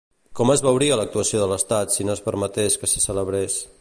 Com es veuria l'actuació de l'estat si no permetés que se celebrés?